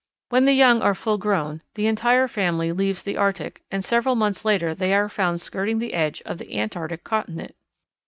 When the young are full grown the entire family leaves the Arctic, and several months later they are found skirting the edge of the Antarctic continent.